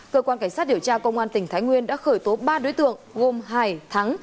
cơ quan cảnh sát điều tra công an tỉnh thái nguyên đã khởi tố ba đối tượng gồm hải thắng